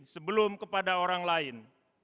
sebelum kepada orang lain